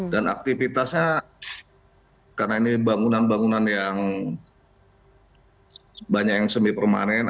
dan aktivitasnya karena ini bangunan bangunan yang banyak yang semi permanen